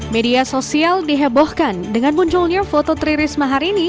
media sosial dihebohkan dengan munculnya foto tri risma hari ini